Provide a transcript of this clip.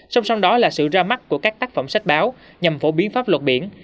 song song đó là sự ra mắt của các tác phẩm sách báo nhằm phổ biến pháp luật biển